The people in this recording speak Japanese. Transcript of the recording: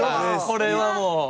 これはもう。